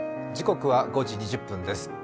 時刻は５時２０分です。